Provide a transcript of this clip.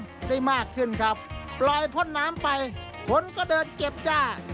ได้มากขึ้นครับปล่อยพ่นน้ำไปคนก็เดินเก็บจ้า